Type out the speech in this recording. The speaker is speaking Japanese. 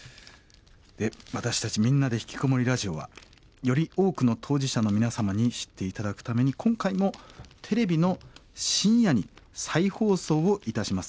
私たち「みんなでひきこもりラジオ」はより多くの当事者の皆様に知って頂くために今回もテレビの深夜に再放送をいたします。